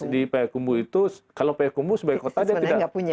di pak hekumbu itu kalau pak hekumbu sebagai kota tidak punya